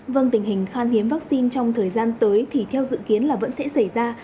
vâng tình hình khan hiếm vaccine trong thời gian tới thì theo dự kiến là vẫn sẽ xảy ra